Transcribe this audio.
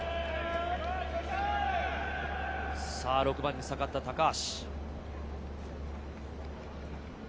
６番に下がった高橋。